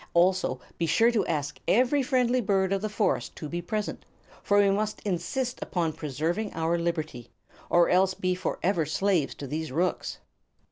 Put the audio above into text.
Also be sure to ask every friendly bird of the forest to be present, for we must insist upon preserving our liberty, or else be forever slaves to these rooks."